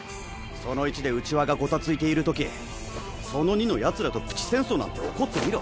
その１で内輪がごたついているときその２のヤツらとプチ戦争なんて起こってみろ。